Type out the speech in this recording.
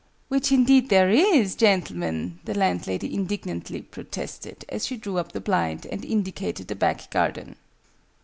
"Which indeed there is, gentlemen!" the landlady indignantly protested, as she drew up the blind, and indicated the back garden.